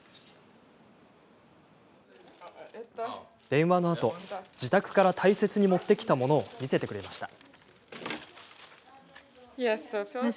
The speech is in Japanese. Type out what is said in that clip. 電話のあと自宅から大切に持ってきたものを見せてくれました。